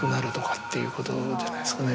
っていうことじゃないですかね。